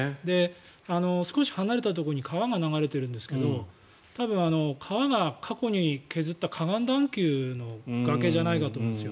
少し離れたところに川が流れているんですけど多分、川が過去に削った河岸段丘の崖じゃないかと思うんですよ。